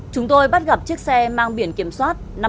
chúng tôi bắt gặp chiếc xe mang biển kiểm soát